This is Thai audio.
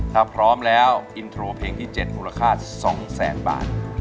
ถ้าพร้อมแล้วอินโทรเพลงที่๗มูลค่า๒แสนบาท